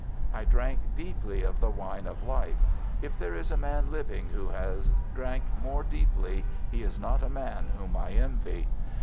I drank deeply of the wine of life—if there is a man living who has drank more deeply he is not a man whom I envy.